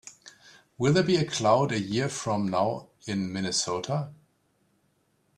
Will there be cloud a year from now in Minnesota?